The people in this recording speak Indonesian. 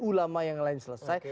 ulama yang lain selesai